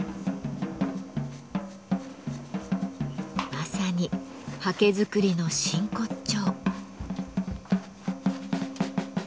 まさに刷毛作りの真骨頂。